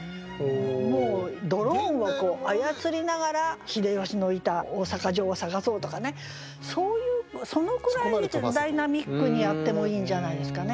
もうドローンを操りながら秀吉のいた大坂城を探そうとかねそういうそのくらいダイナミックにやってもいいんじゃないですかね。